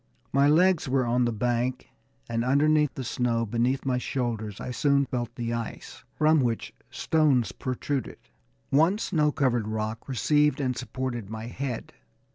My legs were on the bank, and underneath the snow beneath my shoulders I soon felt the ice, from which stones protruded. One snow covered rock received and supported my head.